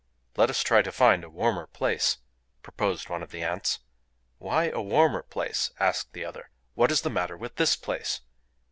"Let us try to find a warmer place," proposed one of the Ants. "Why a warmer place?" asked the other;—"what is the matter with this place?"